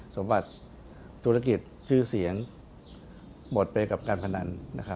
สมบัติธุรกิจชื่อเสียงหมดไปกับการพนัน